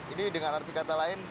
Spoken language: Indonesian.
ini dengan arti kata lain